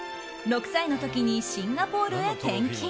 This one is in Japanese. ６歳の時にシンガポールへ転勤。